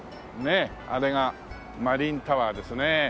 あれがマリンタワーですね。